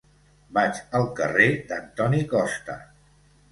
Vaig al carrer d'Antoni Costa.